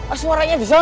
oh suaranya disana